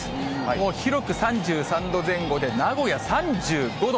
もう広く３３度前後で、名古屋３５度。